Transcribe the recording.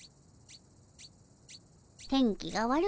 天気が悪いの。